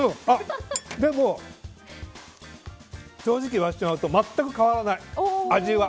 でも、正直言わせてもらうと全く変わらない味は。